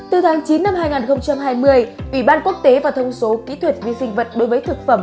từ tháng chín năm hai nghìn hai mươi ủy ban quốc tế và thông số kỹ thuật vi sinh vật đối với thực phẩm